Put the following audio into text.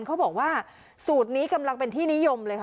เขาบอกว่าสูตรนี้กำลังเป็นที่นิยมเลยค่ะ